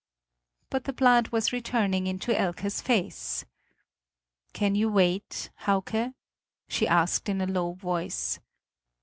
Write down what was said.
But the blood was returning into Elke's face. "Can you wait, Hauke?" she asked in a low voice.